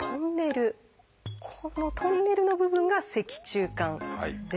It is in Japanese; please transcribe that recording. このトンネルの部分が「脊柱管」です。